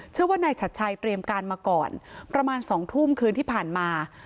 เชื่อว่านายชัดชัยเตรียมการมาก่อนประมาณ๒ทุ่มคืนที่ผ่านมา